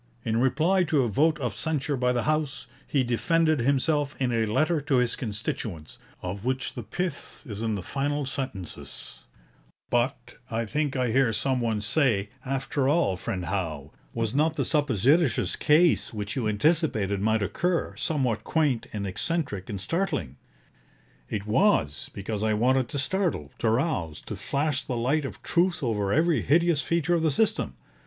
' In reply to a vote of censure by the House, he defended himself in a letter to his constituents, of which the pith is in the final sentences: '"But," I think I hear some one say, "after all, friend Howe, was not the supposititious case, which you anticipated might occur, somewhat quaint and eccentric and startling?" It was, because I wanted to startle, to rouse, to flash the light of truth over every hideous feature of the system.